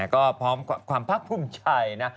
ก็พร้อมความพักภูมิใจนะ